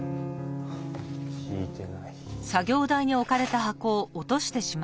聞いてない。